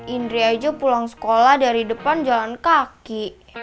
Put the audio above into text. indri aja pulang sekolah dari depan jalan kaki